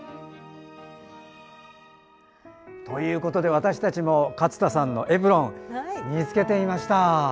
私たちも勝田さんのエプロン身に着けてみました。